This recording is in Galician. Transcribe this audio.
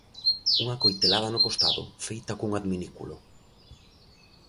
Unha coitelada no costado, feita cun adminículo...